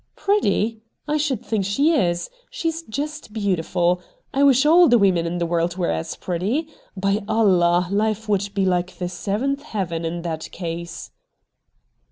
'Pretty ! I should think she is. She's just beautiful. I wish all the women in the world were as pretty. By Allah, hfe would be Uke the Seventh Heaven in that case.'